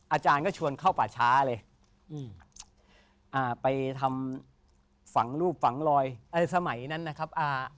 อาจารย์ก็ชวนเข้าป่าช้าเลยไปทำฝังรูปฝังลอยอะไรสมัยนั้นนะครับ